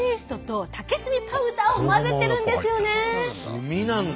炭なんだ。